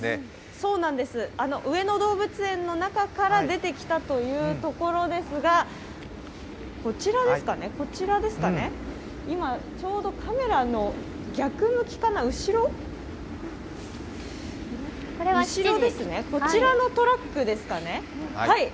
そうなんです、上野動物園の中から出てきたというところですが、こちらですかね、今ちょうどカメラの逆向きかな後ろですね、こちらのトラックですかね。